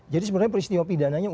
jadi sebenarnya peristiwa pidananya itu